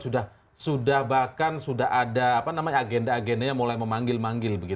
sudah bahkan sudah ada agenda agendanya mulai memanggil manggil